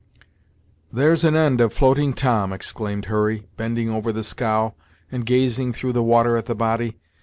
"There's an end of Floating Tom!" exclaimed Hurry, bending over the scow, and gazing through the water at the body.